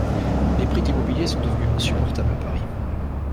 Les prix de l'immobilier sont devenus insupportables à Paris.